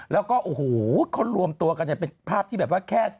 แล้วก็คนรวมตัวกันเป็นภาพที่แบบว่าแค่